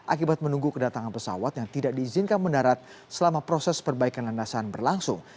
akibat menunggu kedatangan pesawat yang tidak diizinkan mendarat selama proses perbaikan landasan berlangsung